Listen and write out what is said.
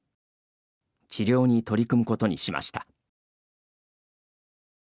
治療に取り組むことにしました。